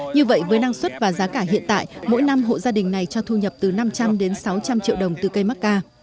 như vậy với năng suất và giá cả hiện tại mỗi năm hộ gia đình này cho thu nhập từ năm trăm linh đến sáu trăm linh triệu đồng từ cây mắc ca